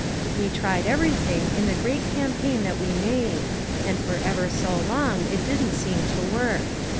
We tried everything in the great campaign that we made, and for ever so long it didn't seem to work.